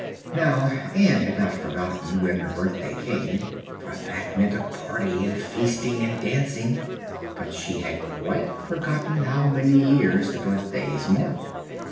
Now, Ann had not forgotten when her birthday came, for that meant a party and feasting and dancing, but she had quite forgotten how many years the birthdays marked.